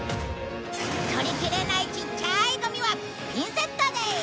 取りきれないちっちゃいゴミはピンセットで。